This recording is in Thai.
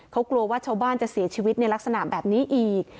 เขากลัวว่าชาวบ้านจะเสียชีวิตในลักษณะแบบนี้อีก